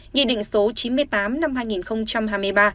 nghị định số chín mươi tám năm hai nghìn hai mươi ba